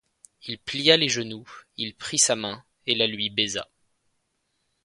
Il plia les genoux, il prit sa main et la lui baisa.